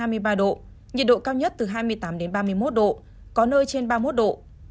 nhiệt độ thấp nhất từ hai mươi hai mươi ba độ nhiệt độ cao nhất từ hai mươi tám ba mươi một độ